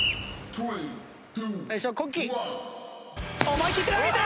思い切って投げた！